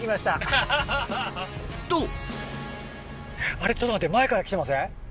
ちょっと待って前から来てません？